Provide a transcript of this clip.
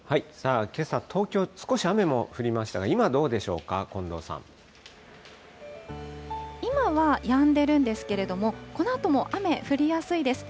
けさ、東京、少し雨も降りましたが、今どうでしょうか、近藤今はやんでいるんですけれども、このあとも雨、降りやすいです。